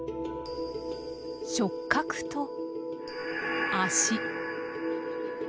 触角と脚。